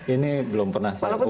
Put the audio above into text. ini belum pernah saya buka